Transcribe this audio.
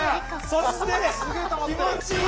そして気持ちいい！